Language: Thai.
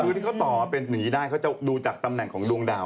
คือที่เขาต่อเป็นอย่างนี้ได้เขาจะดูจากตำแหน่งของดวงดาว